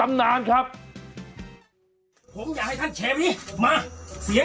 อ้านั่นอุ้ยตะลือไอ้โอ้มโอ้มโอ้มไอ้โอ้ม